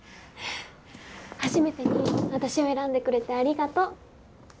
初めてに私を選んでくれてありがとう。